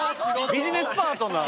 ・ビジネスパートナー。